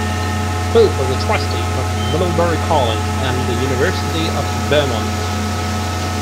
Foot was a Trustee of Middlebury College and the University of Vermont.